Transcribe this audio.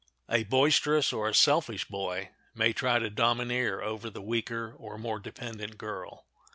A boisterous or a selfish boy may try to domineer over the weaker or more dependent girl.